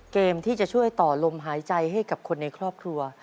เกมที่จะช่วยต่อลมหายใจให้กับคนในครอบครัว